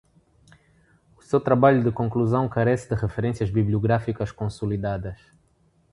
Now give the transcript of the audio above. Seu trabalho de conclusão carece de referências bibliográficas consolidadas